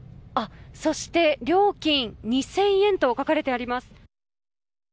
そして料金２０００円と書かれてあります。